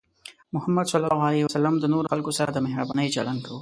محمد صلى الله عليه وسلم د نورو خلکو سره د مهربانۍ چلند کاوه.